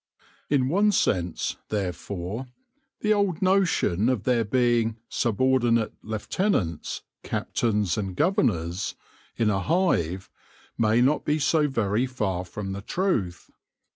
In one sense, therefore, the old notion of there being "subordinate lieutenants, captains, and governours" in a hive may not be so very far from the truth.